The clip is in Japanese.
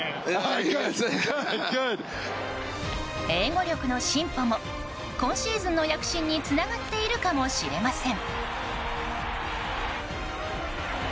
英語力の進歩も今シーズンの躍進につながっているかもしれません。